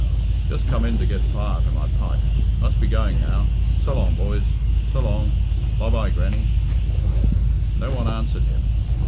"Just come in to get fire to my pipe. Must be going now. So long, boys! S'long! Bye bye, Grannie!" No one answered him.